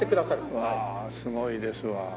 うわあすごいですわ。